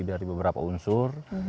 dari beberapa unsur